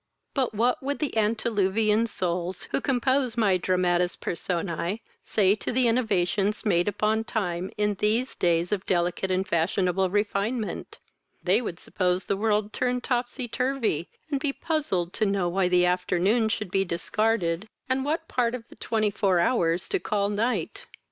But what would the antediluvian souls, who compose my dramatis personae say to the innovations made upon time in these day of delicate and fashionable refinement? They would suppose the world turned topsy turvy, and be puzzled to know why the afternoon should be discarded, and what part of the twenty four hours to call night.